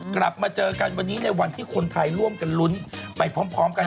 กลับมาเจอกันวันนี้ในวันที่คนไทยร่วมกันลุ้นไปพร้อมกัน